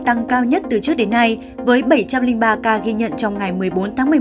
tăng cao nhất từ trước đến nay với bảy trăm linh ba ca ghi nhận trong ngày một mươi bốn tháng một mươi một